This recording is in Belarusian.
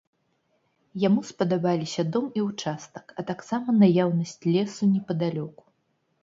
Яму спадабаліся дом і ўчастак, а таксама наяўнасць лесу непадалёку.